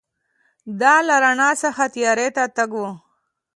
دا له رڼا څخه تیارې ته تګ و.